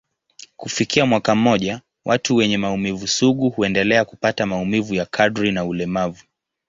Kufikia mwaka mmoja, watu wenye maumivu sugu huendelea kupata maumivu ya kadri na ulemavu.